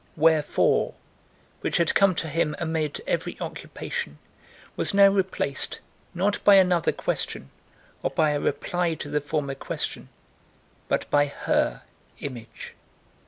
"Wherefore?" which had come to him amid every occupation, was now replaced, not by another question or by a reply to the former question, but by her image.